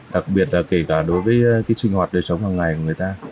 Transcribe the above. đặc biệt là kể cả đối với sinh hoạt đời sống hàng ngày của người ta